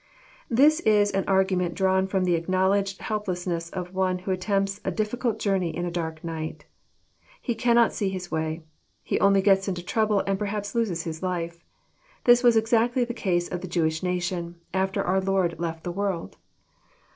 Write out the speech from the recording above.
'] This is an argu ment drawn f^om the acknowledged helplessness of one who attempts a difficult Journey in a dark night. He cannot see his way. He only gets into trouble, and perhaps loses his life. TlUs was exactly the case of the Jewish nation, aflier our Lord left 164 EXF08IT0BT THOUGHTS. the world.